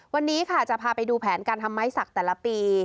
วันนี้ค่ะจะพาไปดูแผนการทำไม้สักแต่ละปี